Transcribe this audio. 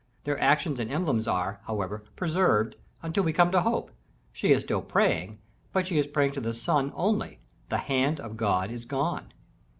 Their actions and emblems are, however, preserved until we come to Hope: she is still praying, but she is praying to the sun only: _The hand of God is gone.